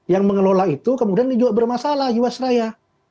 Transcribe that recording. yang mengelola itu kemudian ini juga bermasalah jiwasraya